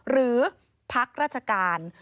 หรือพักราชการ